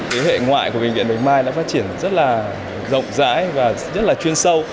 thế hệ ngoại của bệnh viện bạch mai đã phát triển rất là rộng rãi và rất là chuyên sâu